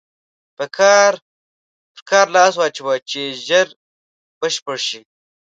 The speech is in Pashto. پر کار لاس واچوه چې ژر بشپړ شي.